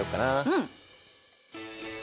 うん。